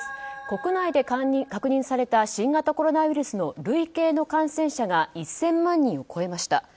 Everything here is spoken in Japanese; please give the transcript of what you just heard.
国内で確認された新型コロナウイルスの累計の感染者が１０００万人を超えました。